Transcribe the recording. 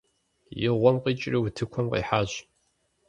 И гъуэм къикӀри утыкум къихьащ.